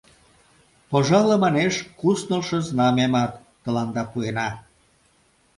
Пожале, манеш, куснылшо знамямат тыланда пуэна.